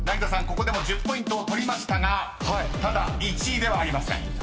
ここでも１０ポイントを取りましたがただ１位ではありません。